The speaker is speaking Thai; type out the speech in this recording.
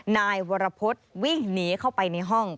นายวรพฤษวิ่งหนีเข้าไปในห้อง